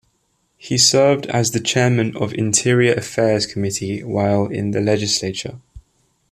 He served as the Chairman of Interior Affairs Committee while in the legislature.